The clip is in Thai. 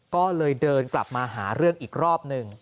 ก็เลยเดินกลับมาหาเรื่องอีกรอบหนึ่ง